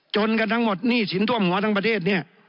จนกันทั้งหมดหนี้สินทั่วหัวทั้งประเทศเนี่ย